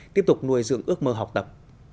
luôn học tập